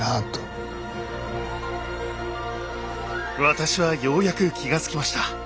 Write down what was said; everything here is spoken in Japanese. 私はようやく気が付きました。